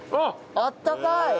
あったかい！